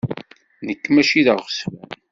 Nekk mačči d aɣezzfan.